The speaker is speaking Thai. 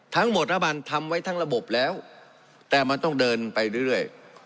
น้ำมันทำไว้ทั้งระบบแล้วแต่มันต้องเดินไปเรื่อย